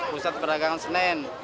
pusat pedagang senen